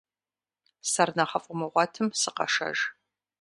Сэр нэхъыфI умыгъуэтым, сыкъэшэж.